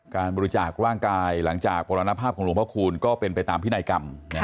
การบริจาคร่างกายหลังจากมรณภาพของหลวงพระคูณก็เป็นไปตามพินัยกรรม